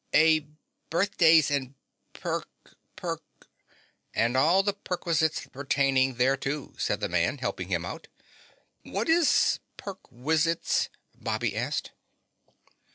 "A birthdays and perk perk " "And all the perquisites pertaining thereto," said the man, helping him out. "What is perk _wiz_its?" Bobby asked.